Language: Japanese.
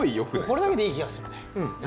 これだけでいい気がするね。